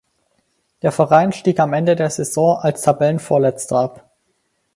Der Verein stieg am Ende der Saison als Tabellenvorletzter ab.